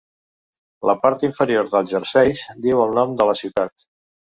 La part inferior dels jerseis diu el nom de la ciutat.